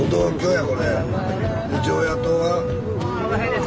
この辺です。